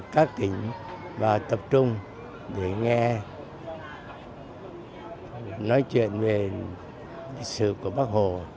các tỉnh và tập trung để nghe nói chuyện về sự của bác hồ